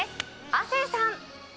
亜生さん。